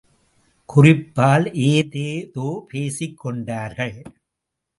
குறிப்பால் ஏதேதோ பேசிக் கொண்டார்கள்.